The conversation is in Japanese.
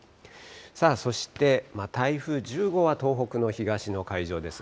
さあ、そして台風１０号は東北の東の海上です。